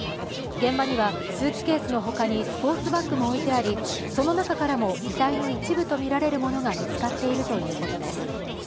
現場には、スーツケースの他にスポーツバッグも置いてありその中からも遺体の一部とみられるものが見つかっているということです。